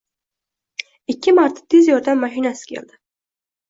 Ikki marta Tez yordam mashinasi keldi.